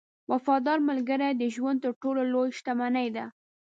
• وفادار ملګری د ژوند تر ټولو لوی شتمنۍ ده.